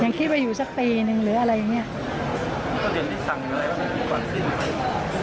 ยังคิดว่าอยู่สักปีหนึ่งหรืออะไรอย่างนี้